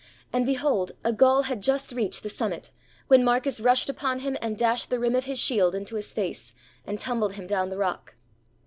And behold a Gaul had just reached the summit, when Mar cus rushed upon him and dashed the rim of his shield into his face, and tumbled him down the rock.